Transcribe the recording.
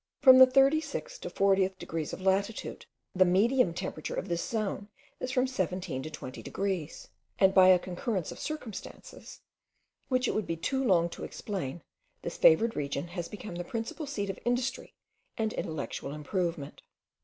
From the 36th to 40th degrees of latitude, the medium temperature of this zone is from 17 to 20 degrees; and by a concurrence of circumstances, which it would be too long to explain, this favoured region has become the principal seat of industry and intellectual improvement.